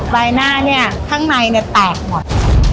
ใบหน้าเนี่ยข้างในเนี่ยแตกหมด